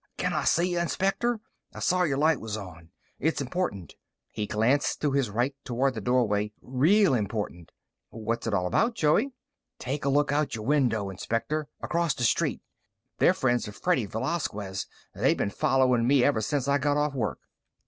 "Can I see ya, Inspector? I saw your light was on. It's important." He glanced to his right, toward the doorway. "Real important." "What's it all about, Joey?" "Take a look out your window, Inspector. Across the street. They're friends of Freddy Velasquez. They been following me ever since I got off work."